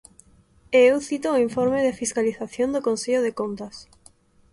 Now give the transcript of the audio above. E eu cito o informe de fiscalización do Consello de Contas.